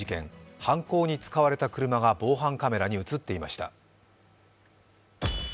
犯行に使われた車が防犯カメラに映っていました。